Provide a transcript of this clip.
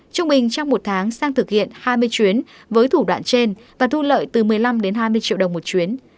trung bình trong một tháng sang thực hiện hai mươi chuyến với thủ đoạn trên và thu lợi từ một mươi năm đến hai mươi triệu đồng một chuyến